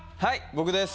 僕です。